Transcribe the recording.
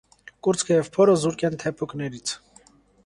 Կուրծքը և փորը զուրկ են թեփուկներից։